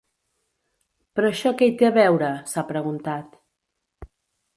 Però això què hi té a veure?, s’ha preguntat.